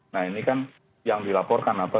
nah ini kan yang dilaporkan apa